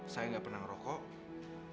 saya enggak pernah ngerokok